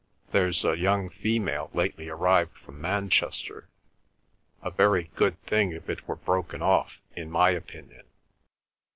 There's a young female lately arrived from Manchester. A very good thing if it were broken off, in my opinion.